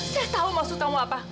saya tahu maksud kamu apa